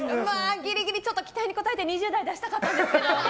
ぎりぎりちょっと期待に応えて２０代出したかったんですけど。